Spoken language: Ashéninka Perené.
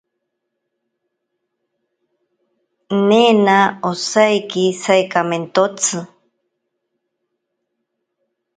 Nena osaiki saikamentotsi.